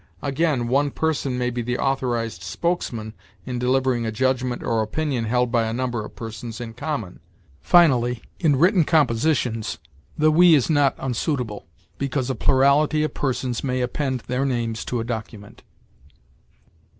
Again, one person may be the authorized spokesman in delivering a judgment or opinion held by a number of persons in common. Finally, in written compositions, the 'we' is not unsuitable, because a plurality of persons may append their names to a document.